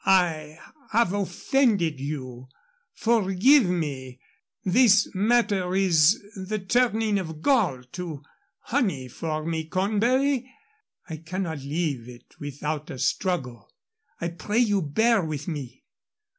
"I have offended you? Forgive me. This matter is the turning of gall to honey for me, Cornbury. I cannot leave it without a struggle. I pray you, bear with me."